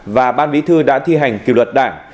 và ban bí thư đã thi hành kỷ luật đảng